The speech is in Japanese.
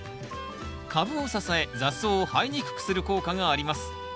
株を支え雑草を生えにくくする効果があります。